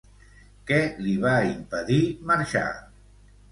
Què li va impedir marxar?